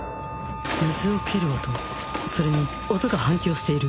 水を蹴る音それに音が反響している